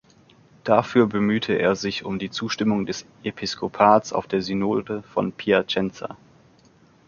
Dafür bemühte er sich um die Zustimmung des Episkopats auf der Synode von Piacenza.